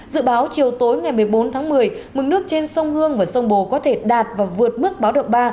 dự báo chiều tối ngày một mươi bốn tháng một mươi mực nước trên sông hương và sông bồ có thể đạt và vượt mức báo động ba